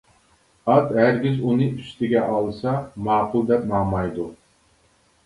ئات ھەرگىز ئۇنى ئۈستىگە ئالسا ماقۇل دەپ ماڭمايدۇ.